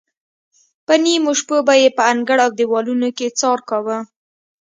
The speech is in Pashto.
په نیمو شپو به یې په انګړ او دیوالونو کې څار کاوه.